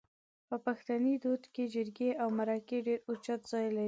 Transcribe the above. په پښتني دود کې جرګې او مرکې ډېر اوچت ځای لري